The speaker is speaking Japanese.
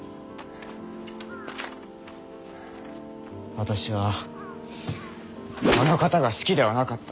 私はあの方が好きではなかった。